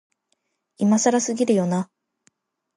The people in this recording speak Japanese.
今更すぎるよな、